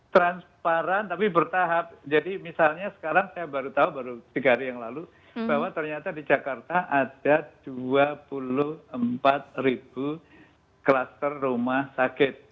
transparan tapi bertahap jadi misalnya sekarang saya baru tahu baru tiga hari yang lalu bahwa ternyata di jakarta ada dua puluh empat ribu klaster rumah sakit